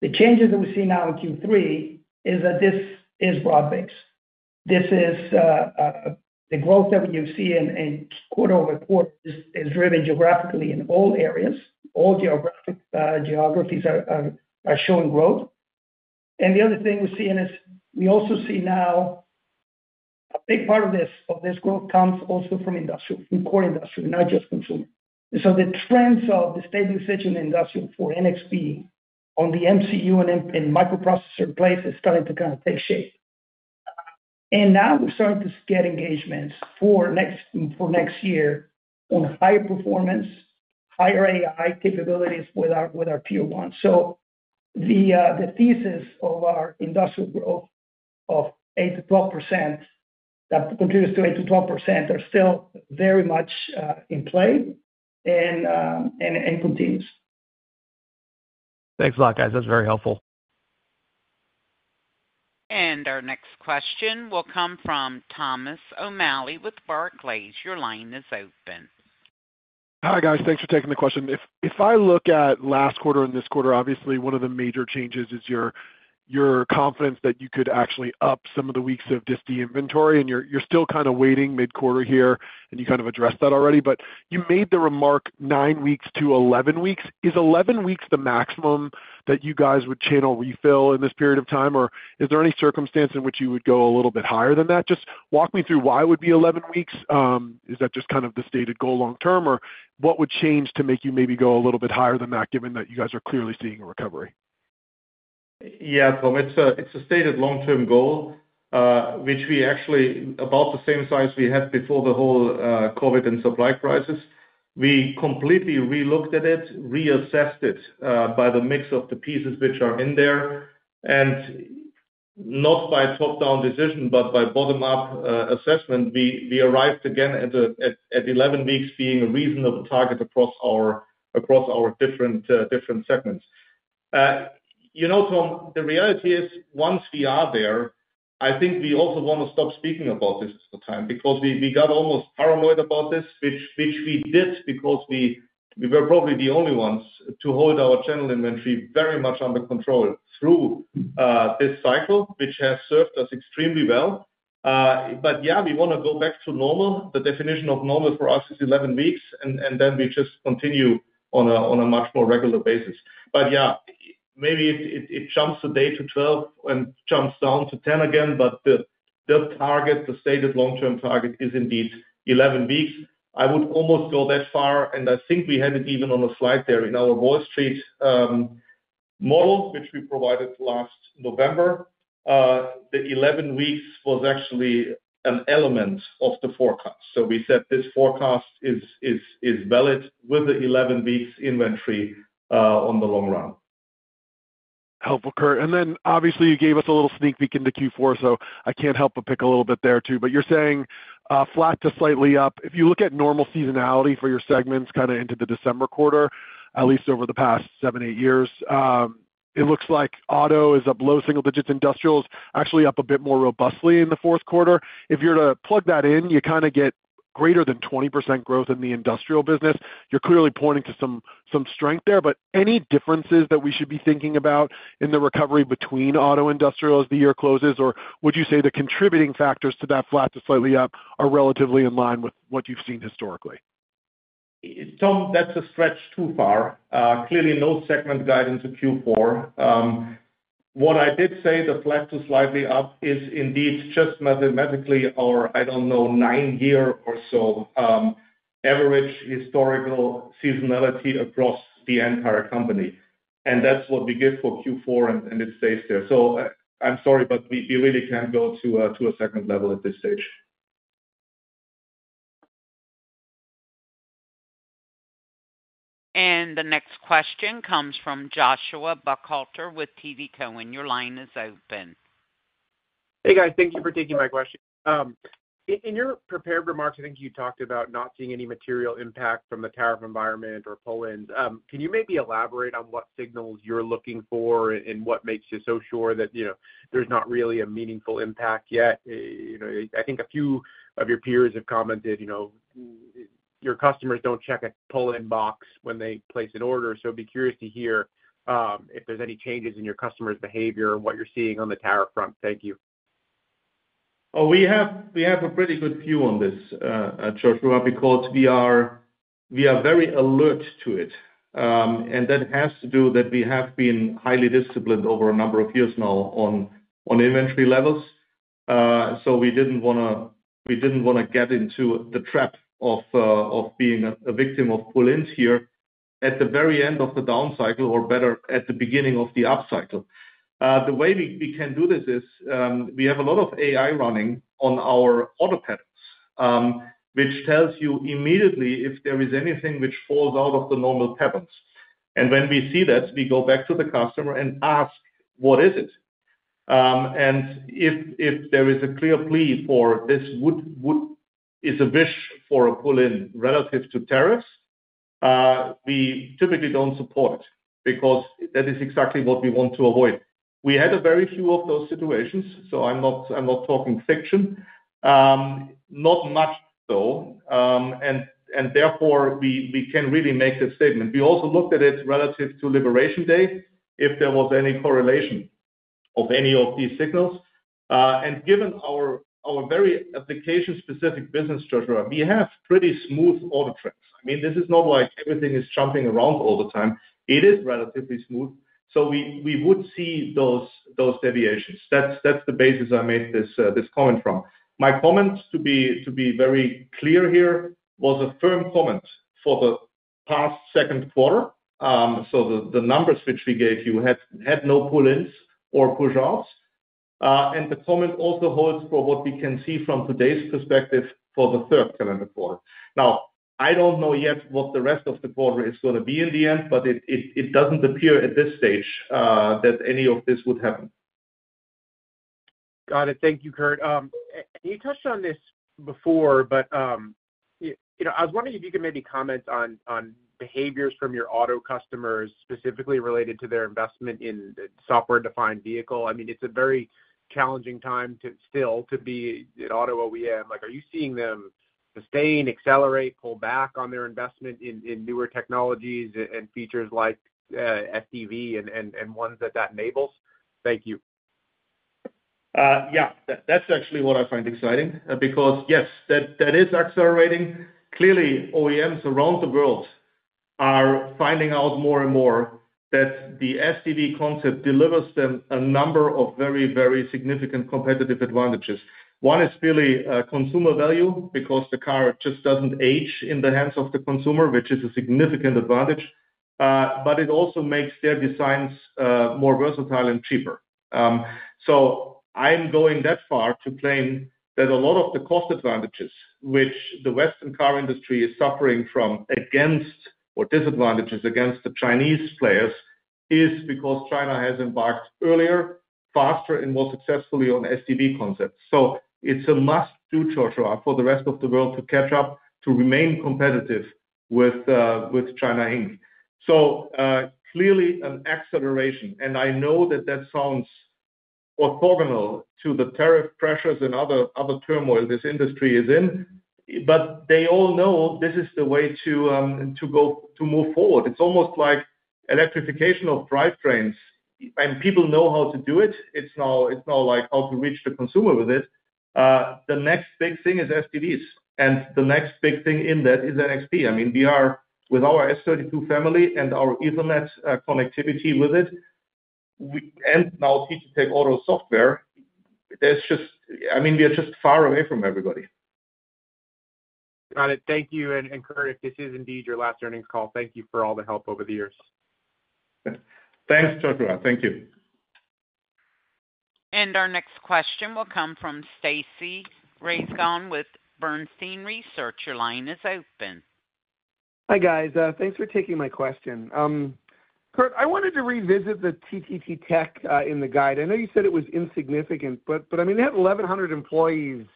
The changes that we see now in Q3 is that this is broad-based. The growth that you see in quarter-over-quarter is driven geographically in all areas. All geographic geographies are showing growth. The other thing we're seeing is we also see now a big part of this growth comes also from core industry, not just consumer. The trends of the stable situation in industrial for NXP on the MCU and microprocessor in place is starting to kind of take shape. Now we're starting to get engagements for next year on higher performance, higher AI capabilities with our Tier 1. The thesis of our industrial growth of 8%-12% that contributes to 8-12% are still very much in play and continues. Thanks a lot, guys. That's very helpful. Our next question will come from Thomas O’Malley with Barclays. Your line is open. Hi, guys. Thanks for taking the question. If I look at last quarter and this quarter, obviously, one of the major changes is your confidence that you could actually up some of the weeks of disti inventory. You're still kind of waiting mid-quarter here, and you kind of addressed that already. You made the remark nine weeks to 11 weeks. Is 11 weeks the maximum that you guys would channel refill in this period of time, or is there any circumstance in which you would go a little bit higher than that? Just walk me through why it would be 11 weeks? Is that just kind of the stated goal long-term, or what would change to make you maybe go a little bit higher than that, given that you guys are clearly seeing a recovery? Yeah, Tom, it's a stated long-term goal. Which we actually about the same size we had before the whole COVID and supply crisis. We completely relooked at it, reassessed it by the mix of the pieces which are in there. Not by top-down decision, but by bottom-up assessment, we arrived again at 11 weeks being a reasonable target across our different segments. You know, Tom, the reality is once we are there, I think we also want to stop speaking about this at the time because we got almost paranoid about this, which we did because we were probably the only ones to hold our channel inventory very much under control through this cycle, which has served us extremely well. Yeah, we want to go back to normal. The definition of normal for us is 11 weeks, and then we just continue on a much more regular basis. Yeah, maybe it jumps today to 12 and jumps down to 10 again, but the target, the stated long-term target, is indeed 11 weeks. I would almost go that far, and I think we had it even on a slide there in our Wall Street model, which we provided last November. The 11 weeks was actually an element of the forecast. We said this forecast is valid with the 11 weeks inventory on the long run. Helpful, Kurt. You gave us a little sneak peek into Q4, so I cannot help but pick a little bit there too. You are saying flat to slightly up. If you look at normal seasonality for your segments into the December quarter, at least over the past seven or eight years, it looks like auto is up low single-digits, industrial is actually up a bit more robustly in the fourth quarter. If you were to plug that in, you kind of get greater than 20% growth in the industrial business. You are clearly pointing to some strength there. Any differences that we should be thinking about in the recovery between auto and industrial as the year closes, or would you say the contributing factors to that flat to slightly up are relatively in line with what you have seen historically? Tom, that's a stretch too far. Clearly, no segment guidance of Q4. What I did say, the flat to slightly up is indeed just mathematically our, I don't know, nine-year or so average historical seasonality across the entire company. That's what we get for Q4, and it stays there. I'm sorry, but we really can't go to a second level at this stage. The next question comes from Joshua Buchalter with TD Cowen. Your line is open. Hey, guys. Thank you for taking my question. In your prepared remarks, I think you talked about not seeing any material impact from the tariff environment or pull-ins. Can you maybe elaborate on what signals you're looking for and what makes you so sure that there's not really a meaningful impact yet? I think a few of your peers have commented. Your customers don't check a pull-in box when they place an order. I'd be curious to hear if there's any changes in your customers' behavior or what you're seeing on the tariff front. Thank you. Oh, we have a pretty good view on this, Joshua. Because we are very alert to it. That has to do that we have been highly disciplined over a number of years now on inventory levels. We did not want to get into the trap of being a victim of pull-ins here at the very end of the down cycle, or better, at the beginning of the up cycle. The way we can do this is we have a lot of AI running on our auto patterns, which tells you immediately if there is anything which falls out of the normal patterns. When we see that, we go back to the customer and ask, "What is it?" If there is a clear plea for this, would, is a wish for a pull-in relative to tariffs? We typically do not support it because that is exactly what we want to avoid. We had very few of those situations, so I am not talking fiction. Not much though. Therefore, we can really make the statement. We also looked at it relative to Liberation Day if there was any correlation of any of these signals. Given our very application-specific business structure, we have pretty smooth order trends. I mean, this is not like everything is jumping around all the time. It is relatively smooth. We would see those deviations. That is the basis I made this comment from. My comment, to be very clear here, was a firm comment for the past second quarter. The numbers which we gave you had no pull-ins or push-outs. The comment also holds for what we can see from today's perspective for the third calendar quarter. Now, I do not know yet what the rest of the quarter is going to be in the end, but it does not appear at this stage that any of this would happen. Got it. Thank you, Kurt. You touched on this before, but I was wondering if you could maybe comment on behaviors from your auto customers specifically related to their investment in software-defined vehicles. I mean, it's a very challenging time still to be an auto OEM. Are you seeing them sustain, accelerate, pull back on their investment in newer technologies and features like SDV and ones that that enables? Thank you. Yeah. That's actually what I find exciting because, yes, that is accelerating. Clearly, OEMs around the world are finding out more and more that the SDV concept delivers them a number of very, very significant competitive advantages. One is really consumer value because the car just doesn't age in the hands of the consumer, which is a significant advantage. It also makes their designs more versatile and cheaper. I'm going that far to claim that a lot of the cost advantages, which the Western car industry is suffering from or disadvantages against the Chinese players, is because China has embarked earlier, faster and more successfully on SDV concepts. It's a must-do, Joshua, for the rest of the world to catch up, to remain competitive with China Inc. Clearly an acceleration. I know that that sounds orthogonal to the tariff pressures and other turmoil this industry is in, but they all know this is the way to move forward. It's almost like electrification of drivetrains. People know how to do it. It's now like how to reach the consumer with it. The next big thing is SDVs. The next big thing in that is NXP. I mean, we are with our S32 family and our Ethernet connectivity with it. Now TTTech Auto software. I mean, we are just far away from everybody. Got it. Thank you. Kurt, if this is indeed your last earnings call, thank you for all the help over the years. Thanks, Joshua. Thank you. Our next question will come from Stacy Rasgon with Bernstein Research. Your line is open. Hi, guys. Thanks for taking my question. Kurt, I wanted to revisit the TTTech in the guide. I know you said it was insignificant, but I mean, they have 1,100 employees,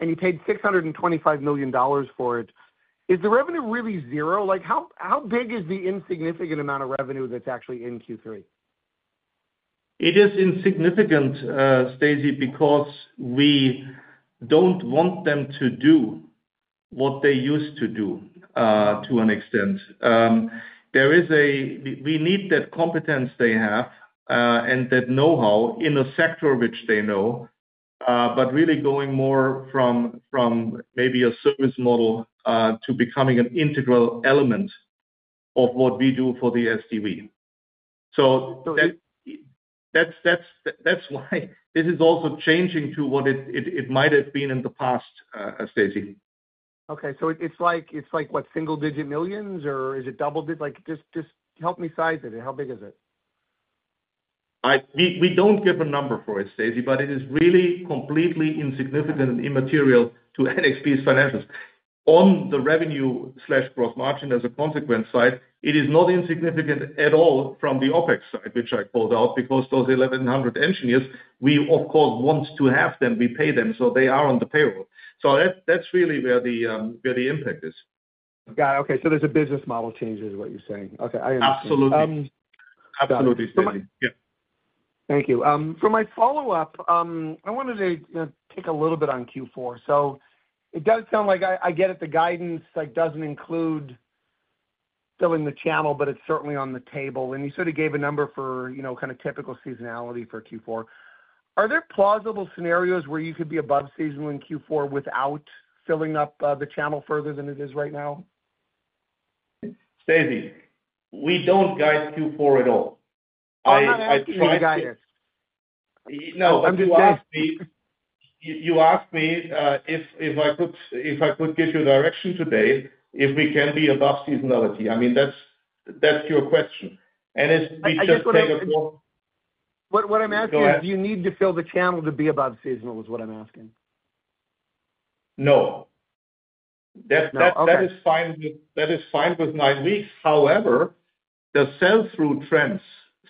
and you paid $625 million for it. Is the revenue really zero? How big is the insignificant amount of revenue that's actually in Q3? It is insignificant, Stacy, because we do not want them to do what they used to do. To an extent, we need that competence they have and that know-how in a sector which they know, but really going more from maybe a service model to becoming an integral element of what we do for the SDV. That is why this is also changing to what it might have been in the past, Stacy. Okay. So it's like what, single-digit millions, or is it double? Just help me size it. How big is it? We don't give a number for it, Stacy, but it is really completely insignificant and immaterial to NXP's financials. On the revenue/gross margin as a consequence side, it is not insignificant at all from the OpEx side, which I called out because those 1,100 engineers, we, of course, want to have them. We pay them, so they are on the payroll. So that's really where the impact is. Got it. Okay. So there's a business model change, is what you're saying. Okay. I understand. Absolutely. Absolutely, Stacy. Yeah. Thank you. For my follow-up, I wanted to take a little bit on Q4. It does sound like I get it. The guidance does not include filling the channel, but it is certainly on the table. You sort of gave a number for kind of typical seasonality for Q4. Are there plausible scenarios where you could be above seasonal in Q4 without filling up the channel further than it is right now? Stacy, we don't guide Q4 at all. I'm not asking you to guide it. No. You asked me if I could give you direction today if we can be above seasonality. I mean, that's your question. If we just take a call. What I'm asking is do you need to fill the channel to be above seasonal is what I'm asking? No. That is fine with nine weeks. However, the sell-through trends,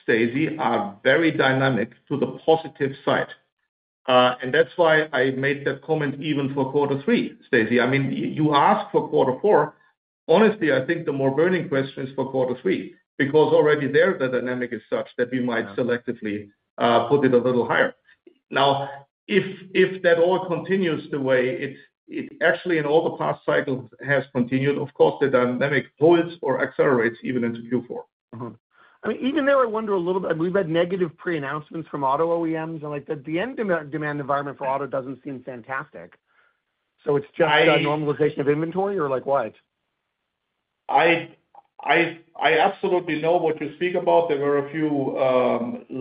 Stacy, are very dynamic to the positive side. I made that comment even for quarter three, Stacy. I mean, you asked for quarter four. Honestly, I think the more burning question is for quarter three because already there, the dynamic is such that we might selectively put it a little higher. Now, if that all continues the way it actually in all the past cycles has continued, of course, the dynamic holds or accelerates even into Q4. I mean, even there, I wonder a little bit. I mean, we've had negative pre-announcements from auto OEMs. The demand environment for auto doesn't seem fantastic. Is it just a normalization of inventory or what? I absolutely know what you speak about. There were a few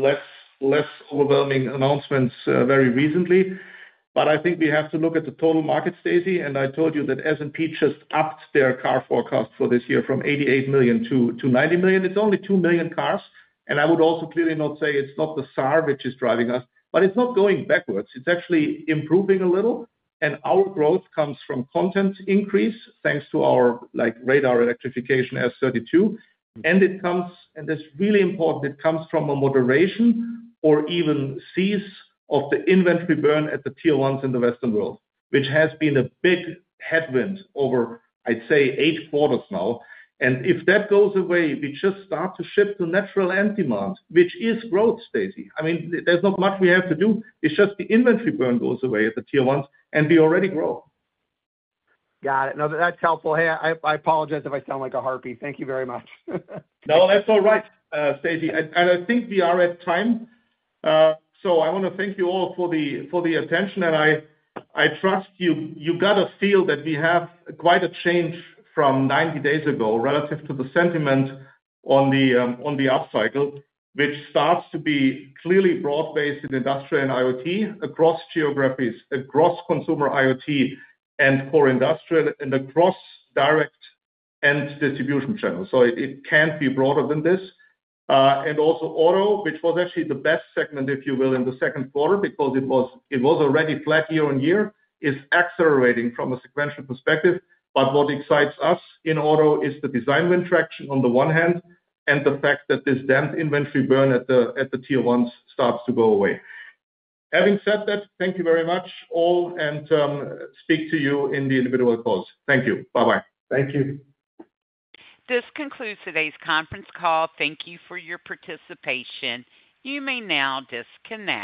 less overwhelming announcements very recently. I think we have to look at the total market, Stacy. I told you that S&P just upped their car forecast for this year from 88 million to 90 million. It is only 2 million cars. I would also clearly not say it is not the SAAR which is driving us, but it is not going backwards. It is actually improving a little. Our growth comes from content increase thanks to our radar, electrification, S32. It comes, and that is really important, it comes from a moderation or even cease of the inventory burn at the Tier 1s in the Western world, which has been a big headwind over, I would say, eight quarters now. If that goes away, we just start to shift to natural end demand, which is growth, Stacy. I mean, there is not much we have to do. It is just the inventory burn goes away at the Tier 1s, and we already grow. Got it. No, that's helpful. Hey, I apologize if I sound like a harpy. Thank you very much. No, that's all right, Stacy. I think we are at time. I want to thank you all for the attention. I trust you got a feel that we have quite a change from 90 days ago relative to the sentiment on the up cycle, which starts to be clearly broad-based in industrial and IoT across geographies, across consumer IoT and core industrial, and across direct and distribution channels. It cannot be broader than this. Also, auto, which was actually the best segment, if you will, in the second quarter because it was already flat year on year, is accelerating from a sequential perspective. What excites us in auto is the design win traction on the one hand and the fact that this damp inventory burn at the Tier 1s starts to go away. Having said that, thank you very much all, and speak to you in the individual calls. Thank you. Bye-bye. Thank you. This concludes today's conference call. Thank you for your participation. You may now disconnect.